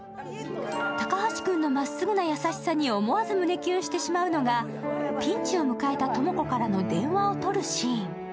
高橋くんの真っ直ぐな優しさに思わず胸キュンしてしまうのが、ピンチを迎えた朋子からの電話を取るシーン。